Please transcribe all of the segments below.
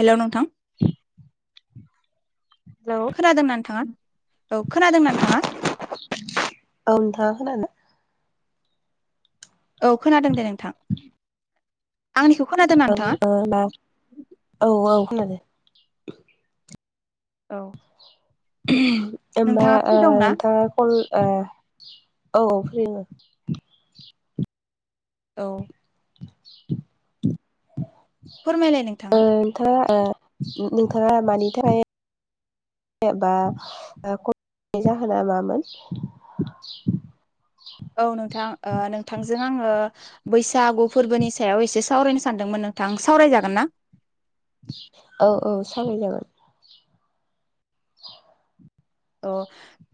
हेल' नोंथां? [unintelligible] खोनादों ना नोंथाङा औ खोनादों नोंथांङा? खानादों। औ खोनादों दे नोंथां। आंनिखौ खोनादोंना नोंथाङा [inaudible] औ औ खोनादों। औ ओहम ओम्बा नोंथाङा फ्रि दंना नोंथाङा कल ओ औ औ फ्रिमोन। औ [inaudible] फोरमायलाय ओ नोंथाङा? नोंथाङा नोंथाङा मानि थाखाय एबा [inaudible] जाहोना मामोन? औ नोंथां नोंथांजों आङो बैसागु फोरबोनि सायाव एसे सावरायनो सानदोंमोन नोंथां सावरायजागोन ना? औ औ सावरायजागोन। अ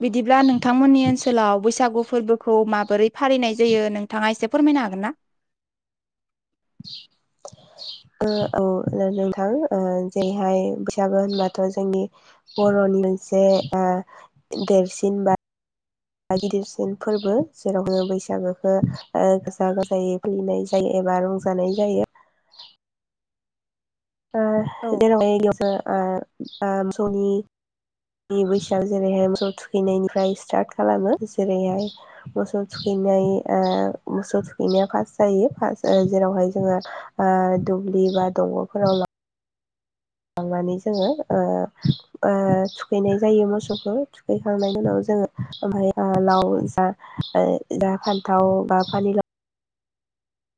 बिदिब्ला नोंथांमोननि ओनसोलाव बैसागु फोरबोखौ माबोरै फालिनाय जायो नोंथाङा एसे फोरमायनो हागोन ना? [inaudible] ओ औ नोंथां ओ जेरैहाय बैसागु होनबाथ' जोंनि बर'नि मोनसे ओ देरसिन बा गिदिरसिन फोरबो जेरावह बैसागोखौ गाजा गोमजायै फालिनाय जायो। बा रंजानाय जायो। [inaudible] ओ औ [unintelligible] [inaudible] नि [inaudible] जेरैहाय मोसौ थुखैनायनिफ्राय स्टार्ट खालामो जेरैहाय मोसौ थुखै नाय ओ मोसौ थुखैनाया फास जायो जेरावह जों ओ दुब्लि दै बा दंग'फोराव लां लांनानै जोङो ओ-ओ थुखैनाय जायो मोसौखौ थुखैखांनायनि उनाव जोङो ओमफ्राय लाव जा फानथाव बा फानिलाव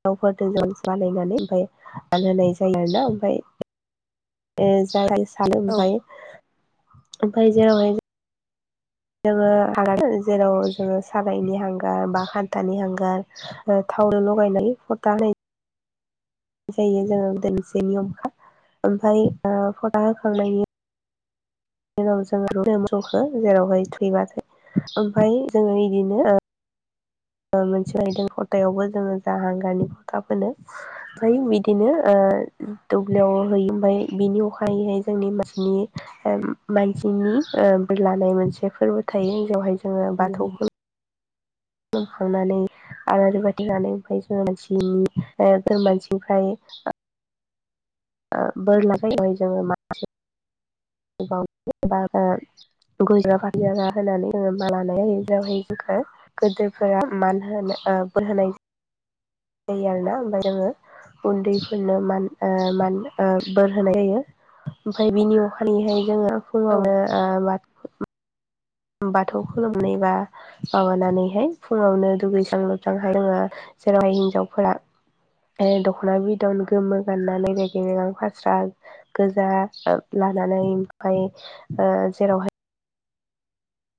[inaudible] बानायायनानै ओमफाय [inaudible] जायो आरोना ओमफफ्राय जाय सानो औ ओमफ्राय ओमफफ्राय जेरावहाय जोङो हार जेराव जोङो सारायनि हांगार बा हान्थानि हांगार ओ थावनो लगायनाय हरथा है जायो जोङो मोनसे नियमखा ओमफ्राय ओ [inaudible] होखांनायनि बिनि उनाव जोङो मोसौखो जेरावहाय [inaudible] ओमफ्राय जोङो इदिनो ओ मोनसे आयदा खथायावबो जोङो जा हांगानि फथा फोनो ओमफाय बिदिनो ओ ओ दुब्लियाव होयो ओमफाय बिनि अखायैहाय जोंनि मानसिनि मानसिनि ओ मानसिनि नि ओ बिरलायनाय मोनसे फोरबो थायो। जेरावहाय जोङो बाथौखौ खुलुम खांनानै आलारि बाथि लनानै ओमफ्राय जों मानसिनि ओ [unintelligible] मानसिनिफ्राय ओ बोर [unintelligible] गय ज'रा फाथै जरा होनानै जोङो मान लान [unintelligible] गोदो‌र फोरा मान होनाय ओ बोर होनाय जा यो आरोना। जोङो उन्दैफोरनो मान ओ मान ओ बोर होनाय जायो। ओमफाय बिनि अखानायहाय जोङो औ फुङावनो बाथौ खुलुमनायबा माबानानैहाय फुङावनो दुगैस्रां लोबस्रांहाय जोङो। जेरावहाय हिन्जावफोरा ओ दख'ना बिदन गोमो गाननानै रेगे रेगां फास्रा गोजा ओ ला‌ लानानै ओमफाय ओ जेरावहाय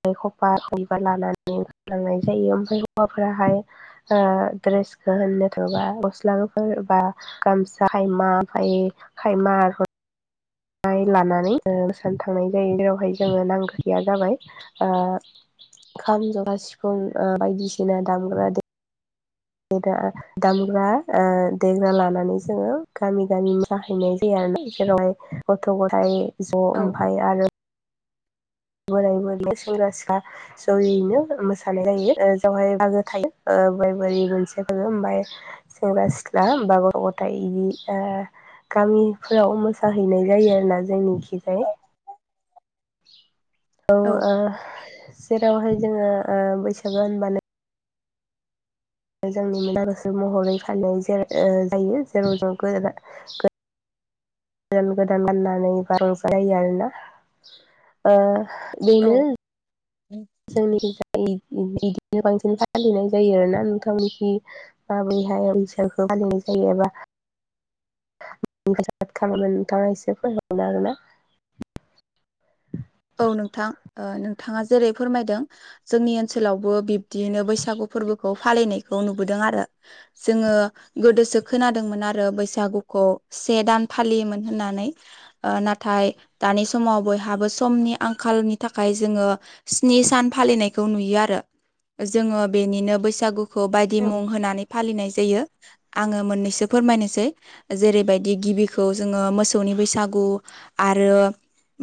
बेखौ [unintelligible] लानानै लांनाय जायो। ओमफाय हौवाफोराहाय ओ द्रेसखौ होननो थांबा गस्लाफोर बा गामसा हाय मा [unintelligible] खायमा [unintelligible] हायो लानानैनो मोसानो थांनाय जायो। जेरावहाय जोङो नांगो गैया जाबाय। खाम, जथा, सिफुं ओ बायदिसिना दामग्रा दे ग्रा दामग्रा ओ देग्रा लानानै जोङो गामि गामि माहैनाय जाया। [unintelligible] गथ' गथाय ज' ओमफाय आरो बोराय बुरै सेंग्रा सिख्ला जयैनो मोसानाय जायो। ओ जावहाय बागो थायो। ओ बोर बोरि मोनसिफोर ओमफाय सेंग्रा सिख्ला बा गथ' गथाय इदि ओ गामिफोराव मोसाहैनाय जायो आरोना। जोंनिखिजाय औ ओ जेरावहाय जोङो ओ बैसागो होनबानो [unintelligible] गोदान गोदान गाननानै बा रंजा जायो आरोना। ओ बेनो औ औ जोंनि जाय इ-इदिनो बांसिन फालिनाय जायो आरो ना नोंथां। मिहि माबैहाय बैसाखौ फालिनाय जायोबा [unintelligible] नोंथाङा एसे फोरमाय हरनो हागोना? औ नोंथां ओ नोंथाङा जेरै फोरमायदों जोंनि ओनसोलावबो बिब्दिनो बैसागु फोरबो खौ फालिनायखौ नुबोदों आरो। जोङो गोदोसो खोनादोंमोन आरो बैसागुखौ से दान फालियोमोन होननानै ओ नाथाय दानि समाव बयहाबो समनि आंखालनि थाखाय जोङो स्नि सान फालिनायखौ नुयो आरो। जोङो बेनिनो बैसागुखौ बायदि औ मुं होनानै फालिनाय जायो। आङो मोननैसो फोरमायनोसै जेरैबायदि गिबिखौ जोङो मोसौनि बैसा गु आरो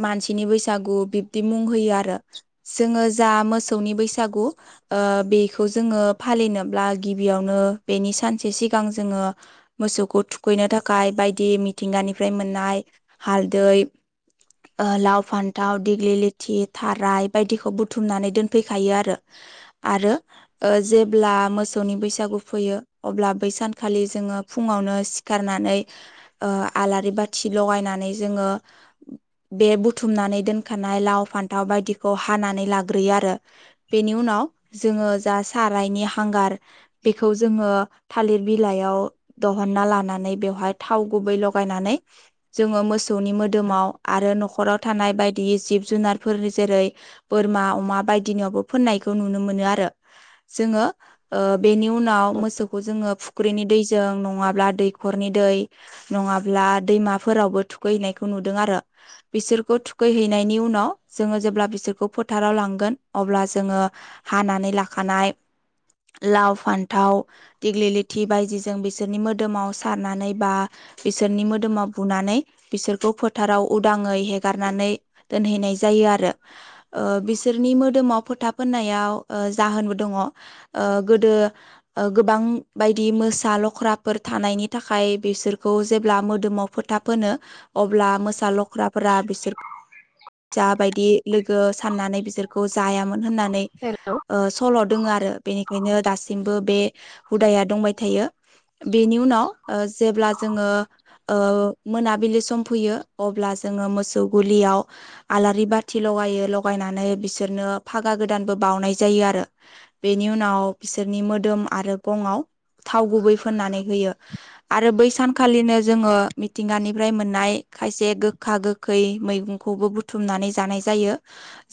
मानसिनि बैसा सागु बिब्दि मुं होयो आरो। जोङो जा मोसौनि बैसागु बेखौ जोङो फालिनोब्ला गिबियावनो बेनि सानसे सिगां जोङो मोसौखौ थुखौनो थाखाय बायदि मिथिंगानिफ्राय मोननाय हालदै ओ लाव फान थाव दिग्लि लिथि थाराय बायदिखौ बुथुमनानै दोनफैखायो आरो। आरो ओ जेब्ला मोसौनि बैसागु फैयो। अब्ला बै सानखालि जोङो फुङावनो सिखारना आनै ओ आलारि बाथि लजायनानै जोङो बे बुथुमनानै दोनखानाय लाव फान्थाव बायदिखौ हानानै लाग्रोयो आरो। बेनि उनाव जोङो जा सारायनि हांगार बेखौ जोङो थालिर बिलाइयाव दहनना लानानै बेवहाय थाव गुबै लगायनानै जोङो मोसौनि मोदोमाव आरो न'खराव थानाय बाय दि जिब जुनारफोर जेरै बोरमा, अमा बायदिनियावबो फोननायखौ नुनो मोनो आरो। जोङो ओ बेनि उनाव मोसौखौ जोङो फुख्रिनि दैजों नङाब्ला दैखरनि दै नङाब्ला दैमाफोरावबो थुखैहोनायखौ नुदों आरो बिसोरखौ थुखैहैनायनि उनाव जोङो जेब्ला बिसोरखौ फोथाराव लांगोन अब्ला जोङो हानानै लाखा खानाय। लाव, फान्थाव, दिग्लिलिथि बायदिजों बिसोरनि मोदोमाव सारनानै बा। बिसोरनि मोदोमाव बुनानै बिसोरखौ फोथाराव उदाङै हेगार नानै दोनहैनाय जायो आरो बिसोरनि मोदोमाव फोथा फोननायाव जाहोनबो दङ गोदो गोबां बायदि मोसा लख्राफोर थानाय बेनि थाखाय बिसोरखौ जेब्ला मोदोमाव फोथा फुनो अब्ला मोसा लख्राफोर [inaudible] जाबायदि लोगो साननानै बिसोरखौ जायामोन होननानै हेल' सल' दोङो आरो। आरो बेनिखायनो दासिमबो बे हुदाया दंबाय थायो। बेनि उनाव जेब्ला जोङो मोनाबिलि सम फैयो अब्ला जोङो मोसौ गलियाव आलारि बाथि लगायो लगायनानै बिसोरनो फागा गोदानबो बावनाय जायो आरो। आरो बेनि उनाव बिसोरनि मोदोम आरो गंआव थाव गुबै फोननानै होयो आरो बै सानखालिनो जोङो मिथिंगानिफ्राय मोननाय खायसे गोखा गोखै। मैगंखौबो बुथुमनानै जानाय जायो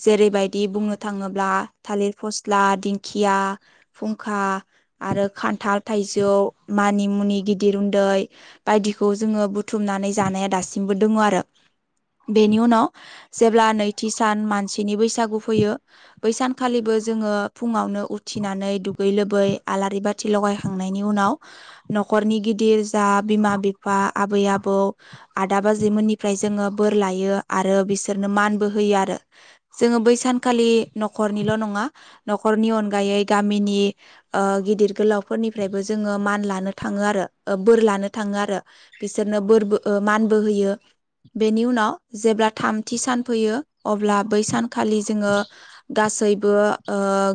जेरैबायदि बुंनो थाङोब्ला थालिर पसला, दिखिया, फुंखा, आरो खान्थाल थाइजौ मानि मुनि गिदिर उन्दै बायदिखौ जोङो बुथुमनानै जानाया दासिमबो दङ आरो। बेनि उनाव जेब्ला नैथि सान मानसिनि बैसागु फैयो बै सानखालि बो जोङो फुङावनो उथिनानै दुगै लोबै आलारि बाथि लगाय खांनायनि उनाव न'खरनि गिदिर जा बिमा बिफा आबै आबौ आदा बाजिमोननिफ्राय जोङो बोर लायो आरो बिसोरनो मानबो होयो आरो जोङो बै सानखालि न'खरनिल' नङा न'खरनि अनगायै गामिनि गिदिर गोलावफोरनिफ्रायबो जोङो मान लानो थाङो आरो बोर लानो थाङो आरो बिसोरनो बोरबो मानबो होयो। बेनि उनाव जेब्ला थामथि सान फैयो। अब्ला बै सानखालि जोङो गासै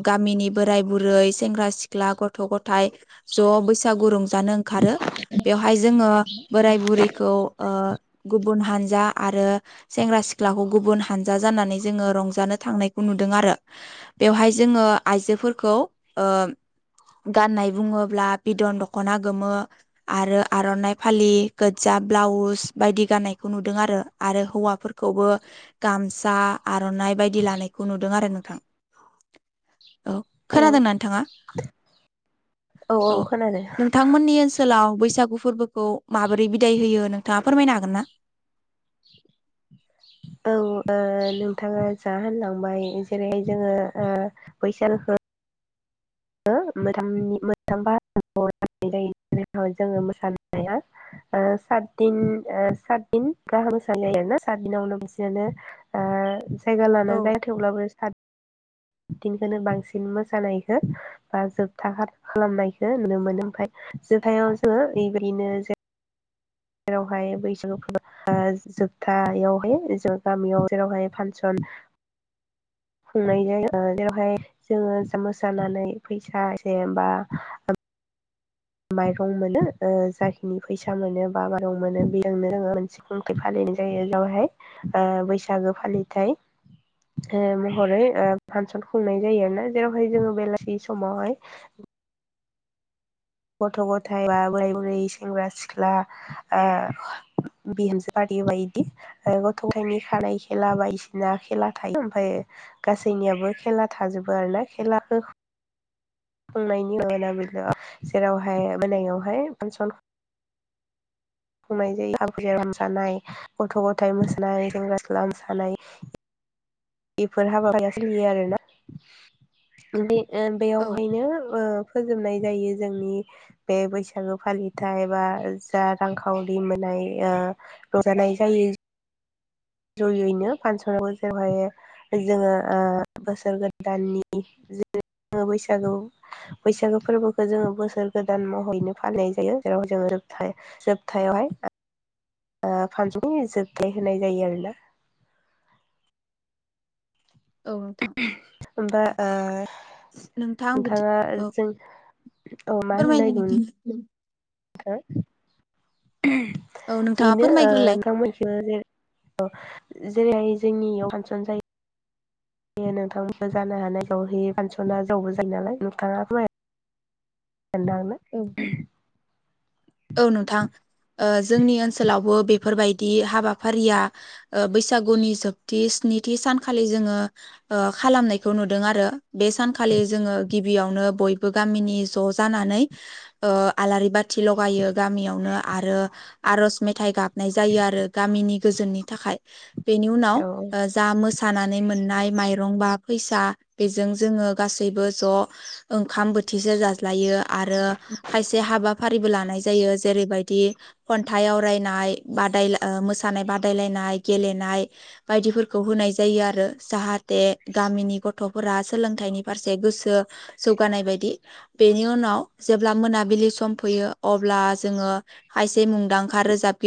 गामिनि बोराय बुरै सेंग्रा सिख्ला गथ' गथाय ज' बैसागु रंजा ओंखारो बेयावहाय जोङो बोराय बुरैखौ गुबुन हानजा आरो सेंग्रा सिख्लाखौ गुबुन हानजा जानानै जोङो रंजानो थांनायखौ नुदों आरो। बेवहाय जोङो आइजोफोरखौ गाननाय बुङोब्ला बिदन दख'ना गोमो आरो आर'नाइ फालि गोजा ब्लाउस बायदि गाननायखौ नुदों। नुदों आरो आरो हौवाफोरखौबो गामसा आर'नाइ बायदि लानायखौ नुदों आरो नोंथां। औ खोनादोंना नोंथाङा। औ नोंथांमोननि ओनसोलाव बैसागु फोरबोखौ माबोरै बिदाय होयो नोंथाङा फोरमायनो हागोन ना। औ नोंथाङा जा होनलांबाय जेरैहाय जोङो बैसागुखौ मोनथामनि मोनथाम बाहागोआव राननाय जायो। जोङो मोसानाया सातदिन सातदिन गाहाम मोसाना जायो आरोना। सातदिनावनो बिसोरनो जायगा औ लाना जायो थेवब्लाबो सात दिनखौनो बांसिन मोसानायखौ बा जोबथा खालामनायखौ नुनो मोनो ओमफ्राय जोबथायाव जोङो ओरै बायदिनो जेरावहाय बैसागु फोरबो जोबथायावहाय जों गामियाव जेरैहाय फांसन [inaudible] खुंनाय जायो जेरावहाय जोङो मोसानानै फैसा एसे बा माइरं मोनो जाखिनि फैसा मोनो बा माइरं मोनो बेजोंनो जोङो मोनसे खुंथायाइ फालियो। जायो बेवहाय बैसागो फालिथाय। ओ महरै ओ फांसन खुंनाय जायो आरोना। जेरावहाय जोङो बेलासि समावहाय गथ' गथाय बा बोराय बुरै, सेंग्रा सिख्ला आ बिहोमजो बारि बायदि गथ' गथायनि खानाय खेला बायदिसिना खेला थायो ओमफाय गासैनियाबो खेला थाजोबो आरोना। खेलाखौ खुंनायनि उनाव बिनो जेरावहाय मोनायावहाय फांसन खुंनाय जायो। आबै आ मोसानाय, गथ' गथाय मोसानाय, सेंग्रा सिख्ला मोसानाय बेफोर हाबाफारिया सोलियो आरोना। बे ओ औ बेयावहायनो ओ फो जोबनाय जायो जोंनि बे बैसागो फालिथाय बा जा रांखावरि मोननाय ओ रंजानाय जायो। जयैनो फांसनावबो जेरैहाय जोङो बोसोर गोदाननि जेरै जोङो बैसागु बैसागो फोर्बोखौ जोङो बोसोर गोदान महैनो फालिनाय जायो। जेराव जोङो जोबथायावहाय ओ फानजौनि जोबथाय होनाय जायो आरोना। औ नोंथां बा ओ नोंथाङा नोंथां बिदि जों, औ मा होननो फोरमायनो नागिरदोंमोन नों नोंथां थां? औ नोंथाङा बेनो ओ फोरमायग्रोलाय नोंथांमोनथिंबो जे औ जेरैहाय जोंनियाव फांसन जा यो नोंथांमोनखौ जानो हानायखौ होयो फांसना जावबो जायो नालाय। नोंथाङा हुवे एनदांनो औ औ नोंथां ओ जोंनि ओनसोलावबो बेफोरबायदि हाबाफारिया ओ बैसागुनि जोबथि स्निथि सानखालि जोङो ओ खालामनायखौ नुदों आरो। बे सानखालि जोङो गिबियावनो बयबो गामिनि ज' जानानै ओ आलारि बाथि ल' गायो गामियावनो आरो आर'ज मेथाइ गाबनाय जायो आरो गामिनि गोजोननि थाखाय। बेनि उनाव औ जा मो सानानै मोननाय माइरं बा फैसा बेजों जोङो गासैबो ज' ओंखाम बो थिसे जाज्लायो आरो खायसे हाबाफारिबो ला नाय जायो। जेरैबायदि खन्थाइ आवरायनाय बादाय ओ मोसानाय बादायलायनाय गेले नाय बायदिफोरखौ होनाय जायो आरो जाहाथे गामिनि गथ'फोरा सोलोंथाइनि फारसे गोसो जौगानाय बायदि। बेनि उनाव जेब्ला मोनाबिलि सम फैयो अब्ला जोङो खायसे मुंदांखा रोजाबगि